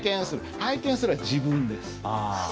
「拝見する」は自分です。